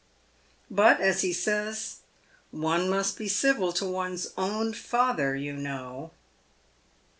But, as he says, " one must be civil to one's own father, you know."